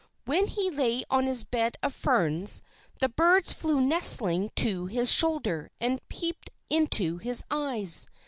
When he lay on his bed of ferns, the birds flew nestling to his shoulder, and peeped into his eyes.